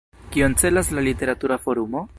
Kion celas la Literatura Forumo?